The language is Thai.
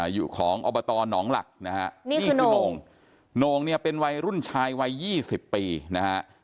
อยู่ของอบตหนองหลักนะฮะนี่คือโหน่งโน่งเนี่ยเป็นวัยรุ่นชายวัย๒๐ปีนะฮะ